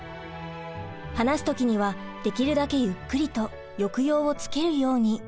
話す時にはできるだけゆっくりと抑揚をつけるように。